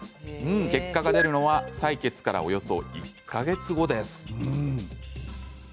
結果が出るのは採血から、およそ１か月後です。